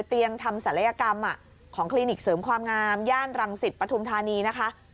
ทำศัลยกรรมของคลินิกเสริมความงามย่านรังสิตปฐุมธานีนะคะ